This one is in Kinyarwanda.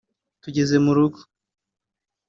tugeze mu rugo